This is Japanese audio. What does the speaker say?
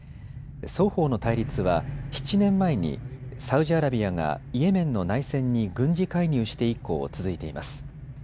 双方の対立は７年前にサウジアラビアがイエメンの内戦に軍事介入して以降続いています。